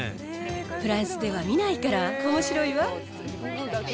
フランスでは見ないからおもしろいわ。